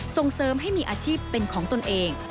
ส่งเสริมให้มีอาชีพเป็นของตนเอง